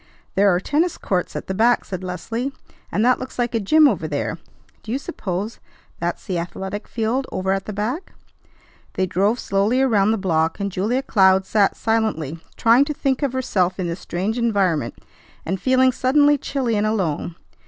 "There are tennis courts at the back," said Leslie, "and that looks like a gym over there. Do you suppose that's the athletic field over at the back?" They drove slowly around the block, and Julia Cloud sat silently, trying to think of herself in this strange environment, and feeling suddenly chilly and alone.